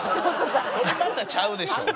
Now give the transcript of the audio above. それまたちゃうでしょ。